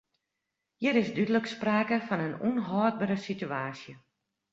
Hjir is dúdlik sprake fan in ûnhâldbere situaasje.